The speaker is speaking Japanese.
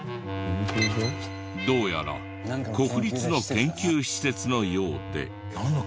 どうやら国立の研究施設のようで。